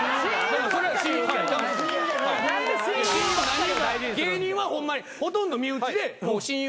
芸人はホンマにほとんど身内でもう親友を。